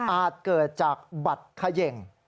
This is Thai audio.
เกิดจากบัตรเขย่ง